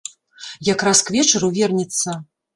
Якраз к вечару вернецца.